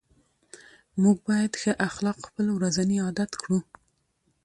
موږ باید ښه اخلاق خپل ورځني عادت کړو